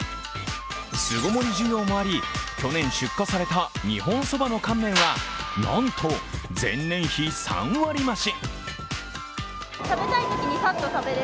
巣ごもり需要もあり、去年出荷された日本そばの乾麺はなんと前年比３割増し。